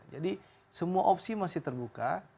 jadi semua opsi masih terbuka